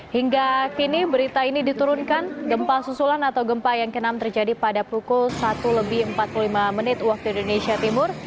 hingga kini berita ini diturunkan gempa susulan atau gempa yang ke enam terjadi pada pukul satu lebih empat puluh lima menit waktu indonesia timur